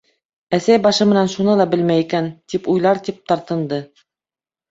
Әсәй башы менән шуны ла белмәй икән, тип уйлар тип тартынды.